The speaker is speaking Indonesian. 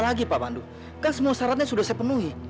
lagi pak pandu kan semua syaratnya sudah saya penuhi